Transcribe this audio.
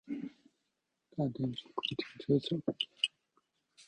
大甲經國停車場